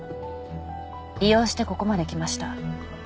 利用してここまで来ました。